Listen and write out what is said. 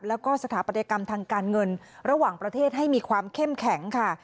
แล้วก็สถาปัตยกรรมทางการเงินระหว่างประเทศให้มีความเข้มแข็งค่ะ